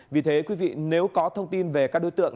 vì thế quý vị nếu có thông tin về các đối tượng